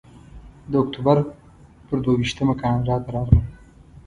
د اکتوبر پر دوه ویشتمه کاناډا ته راغلم.